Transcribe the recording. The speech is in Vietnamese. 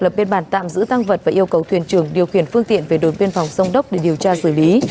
lập biên bản tạm giữ tăng vật và yêu cầu thuyền trường điều khiển phương tiện về đồn biên phòng sông đốc để điều tra xử lý